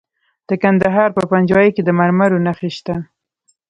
د کندهار په پنجوايي کې د مرمرو نښې شته.